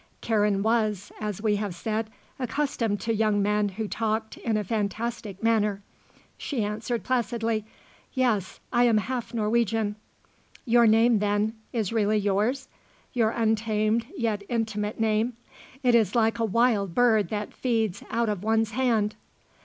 Karen was, as we have said, accustomed to young men who talked in a fantastic manner. She answered placidly: "Yes. I am half Norwegian." "Your name, then, is really yours? your untamed, yet intimate, name. It is like a wild bird that feeds out of one's hand."